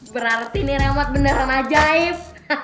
berarti nih remot beneran ajaib